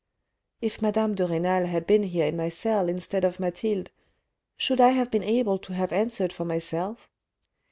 " If madame de Renal had been here in my cell instead of Mathilde, should I have been able to have answered for myself?